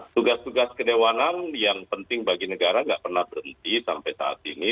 tugas tugas kedewanan yang penting bagi negara tidak pernah berhenti sampai saat ini